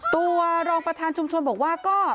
ตัวรองประธานชุมชนบอกว่าก็